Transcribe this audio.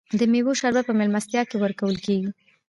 د میوو شربت په میلمستیا کې ورکول کیږي.